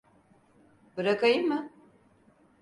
Bırakayım mı?